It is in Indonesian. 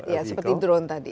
ya seperti drone tadi